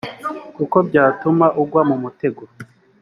kuko byatuma ugwa mu mutego,